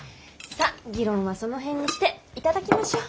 さあ議論はその辺にして頂きましょう。